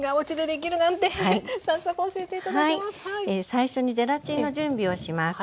最初にゼラチンの準備をします。